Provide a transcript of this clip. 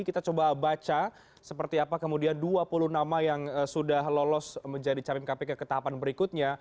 kita coba baca seperti apa kemudian dua puluh nama yang sudah lolos menjadi capim kpk ke tahapan berikutnya